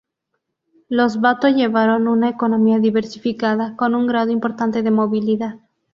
Los bato llevaron una economía diversificada, con un grado importante de movilidad.